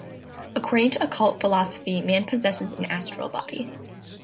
According to occult philosophy man possesses an astral body.